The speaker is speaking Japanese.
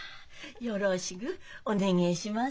よろしぐお願えします。